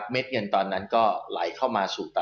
เด็ดเงินตอนนั้นก็ไหลเข้ามาสู่ตลาด